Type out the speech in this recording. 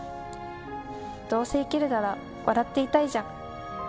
どうせ生きるなら笑っていたいじゃん。